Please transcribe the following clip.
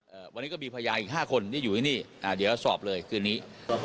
วันนี้ก็มีพยานอีกห้าคนที่อยู่ที่นี่อ่าเดี๋ยวสอบเลยคืนนี้